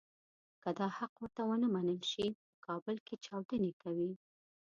که دا حق ورته ونه منل شي په کابل کې چاودنې کوي.